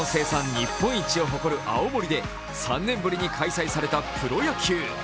日本一を誇る青森で３年ぶりに開催されたプロ野球。